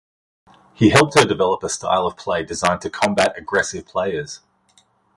He helped her develop a style of play designed to combat aggressive players.